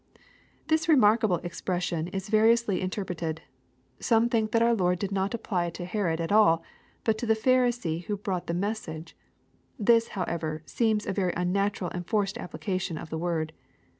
] This remarkable expression is variously inter preted. Some tliink that our Lord did not apply it to Herod at all, but to the Pharisee who brought the message. This, however, seems a very unnatural and forced application of the word.